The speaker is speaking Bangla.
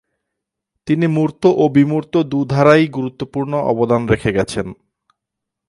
তিনি মূর্ত ও বিমূর্ত দু-ধারায়ই গুরুত্বপূর্ণ অবদান রেখে গেছেন।